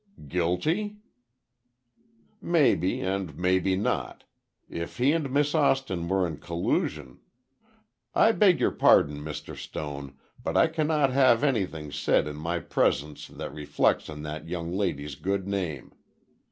"Guilty?" "Maybe and maybe not. If he and Miss Austin were in collusion—" "I beg your pardon, Mr. Stone, but I cannot have any thing said in my presence that reflects on that young lady's good name.